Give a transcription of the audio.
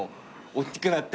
おっきくなって。